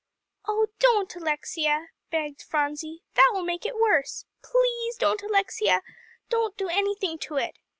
"Oh, don't, Alexia," begged Phronsie, "that will make it worse. Please don't, Alexia, do anything to it."